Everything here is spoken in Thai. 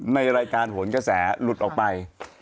ในรายการโหนกระแสหลุดออกไป